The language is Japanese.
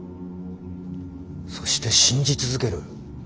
そして信じ続ける。